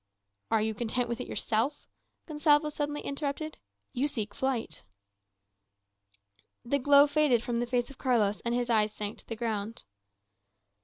"Are you content with it yourself?" Gonsalvo suddenly interrupted. "You seek flight." The glow faded from the face of Carlos, and his eyes sank to the ground.